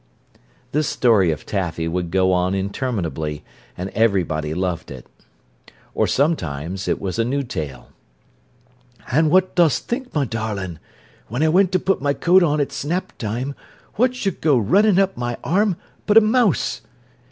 This story of Taffy would go on interminably, and everybody loved it. Or sometimes it was a new tale. "An' what dost think, my darlin'? When I went to put my coat on at snap time, what should go runnin' up my arm but a mouse.